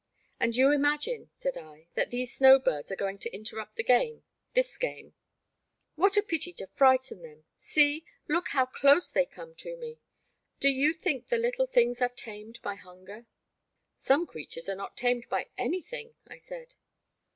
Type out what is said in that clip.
*'And you imagine," said I, that these snow birds are going to interrupt the game — this game? 132 The Black Water. What a pity to frighten them ; see — look how close they come to me ? Do you think the little things are tamed by hunger? "Some creatures are not tamed by anything," I said.